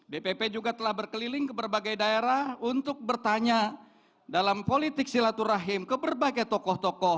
dpp juga telah berkeliling ke berbagai daerah untuk bertanya dalam politik silaturahim ke berbagai tokoh tokoh